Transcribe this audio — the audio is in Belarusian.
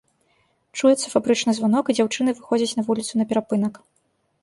Чуецца фабрычны званок і дзяўчыны выходзяць на вуліцу на перапынак.